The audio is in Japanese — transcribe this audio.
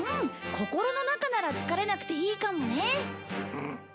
心の中なら疲れなくていいかもね。